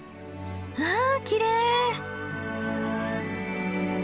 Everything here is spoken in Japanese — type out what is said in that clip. わあきれい！